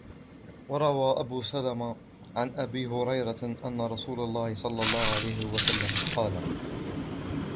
وَرَوَى أَبُو سَلَمَةَ عَنْ أَبِي هُرَيْرَةَ أَنَّ رَسُولَ اللَّهِ صَلَّى اللَّهُ عَلَيْهِ وَسَلَّمَ قَالَ